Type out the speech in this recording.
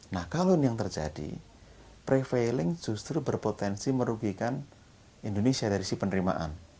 nah kalau ini yang terjadi prevailing justru berpotensi merugikan indonesia dari si penerimaan